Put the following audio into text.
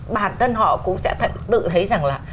bản thân họ cũng sẽ tự thấy rằng là